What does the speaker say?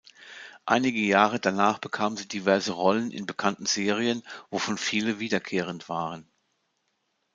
Einige Jahre danach bekam sie diverse Rollen in bekannten Serien, wovon viele wiederkehrend waren.